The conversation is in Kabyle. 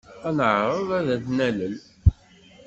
Ad neɛreḍ ad d-nalel.